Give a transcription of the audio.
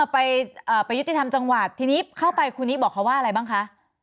ไปยุติธรรมจังหวัดทีนี้เข้าไปคุณนี้บอกเขาว่าอะไรบ้างคะ